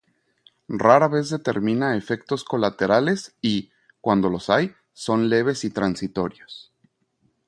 Rara vez determina efectos colaterales y, cuando los hay, son leves y transitorios.